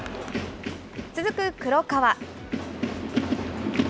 続く黒川。